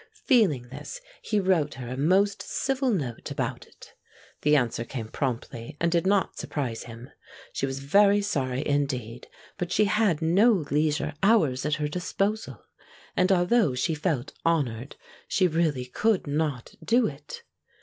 Feeling this, he wrote her a most civil note about it. The answer came promptly, and did not surprise him. She was very sorry indeed, but she had no leisure hours at her disposal, and although she felt honored, she really could not do it.